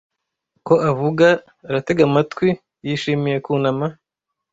ko avuga aratega amatwi yishimiye kunama